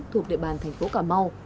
thuộc địa bàn thành phố cà mau